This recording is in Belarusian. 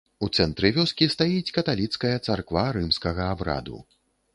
У цэнтры вёскі стаіць каталіцкая царква рымскага абраду.